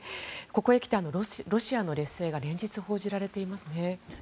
ここへ来て、ロシアの劣勢が連日報じられていますね。